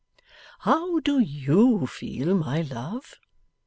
'How do YOU feel, my love?